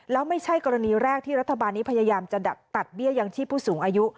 แล้วไม่ใช่กรณีแรกที่รัฐบาลนี้พยายามจะตัดเบี้ยยังชีพผู้สูงอายุ